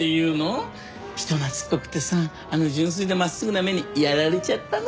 人懐っこくてさあの純粋で真っすぐな目にやられちゃったの。